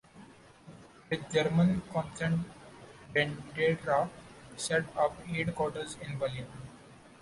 With German consent Bandera set up headquarters in Berlin.